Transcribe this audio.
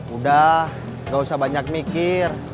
udah gak usah banyak mikir